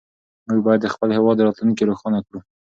موږ باید د خپل هېواد راتلونکې روښانه کړو.